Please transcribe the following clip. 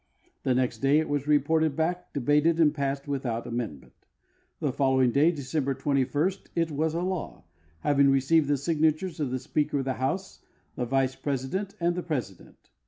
The next day it was rejiorted l)ack, debated, antl passed without amendment. The following day, December 21, it was a law, having received the signatures of the Speaker of the House, the Vice President, and the President.